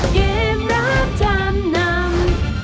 เกมรับจำนำ